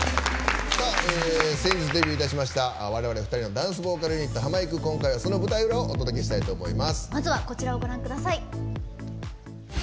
先日デビューいたしました我々、２人のダンスボーカルユニットハマいく、今回はその舞台裏をお届けしたいと思います。